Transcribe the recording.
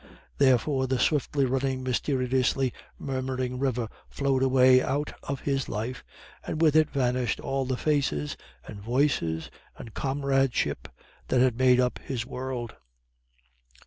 Therefore the swiftly running mysteriously murmuring river flowed away out of his life, and with it vanished all the faces and voices and comradeship that had made up his world.